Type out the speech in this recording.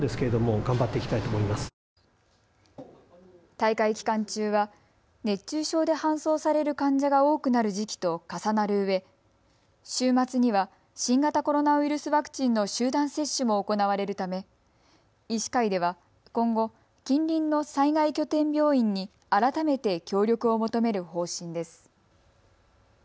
大会期間中は熱中症で搬送される患者が多くなる時期と重なるうえ週末には新型コロナウイルスワクチンの集団接種も行われるため医師会では今後、近隣の災害拠点病院に改めて協力を求める方針です。